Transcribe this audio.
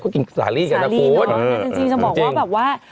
ก็กินสาลีกันนะครับคุณจริงจะบอกว่าแบบว่า